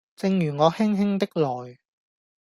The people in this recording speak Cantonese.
正如我輕輕的來